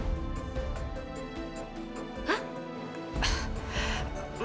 saya sudah tahu